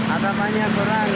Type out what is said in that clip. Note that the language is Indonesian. ada banyak orang